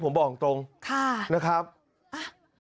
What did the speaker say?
ผมบอกตรงนะครับนะครับค่ะ